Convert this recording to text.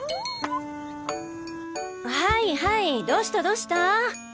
はいはいどしたどした？